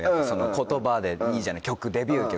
言葉でいいじゃないデビュー曲。